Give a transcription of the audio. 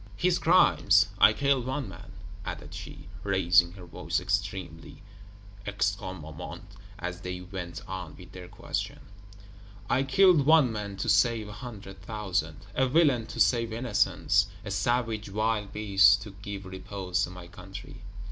"His crimes. I killed one man," added she, raising her voice extremely (extrêmement), as they went on with their questions, "I killed one man to save a hundred thousand; a villain to save innocents; a savage wild beast to give repose to my country.